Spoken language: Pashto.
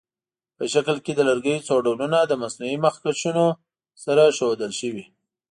په شکل کې د لرګیو څو ډولونه له مصنوعي مخکشونو سره ښودل شوي.